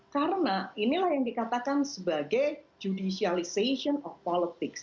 karena inilah yang dikatakan sebagai judicialization of politics